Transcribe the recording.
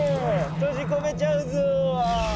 閉じ込めちゃうぞ。